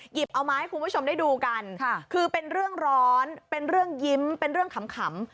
เอามาให้คุณผู้ชมได้ดูกันคือเป็นเรื่องร้อนเป็นเรื่องยิ้มเป็นเรื่องขำ